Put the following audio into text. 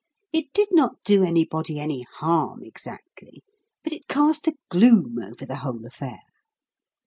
It did not do anybody any harm exactly, but it cast a gloom over the whole affair.